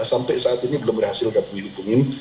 sampai saat ini belum berhasil kami hubungi